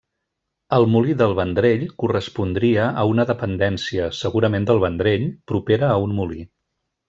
El molí del Vendrell correspondria a una dependència, segurament del Vendrell, propera a un molí.